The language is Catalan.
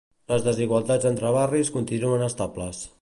Les desigualtats entre barris continuen estables.